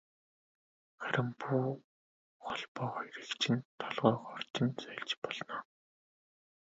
Харин буу холбоо хоёрыг чинь толгойгоор чинь сольж болно.